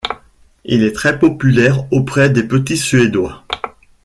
Il est très populaire auprès des petits Suédois.